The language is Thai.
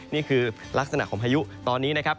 นี่คือลักษณะของพายุตอนนี้นะครับ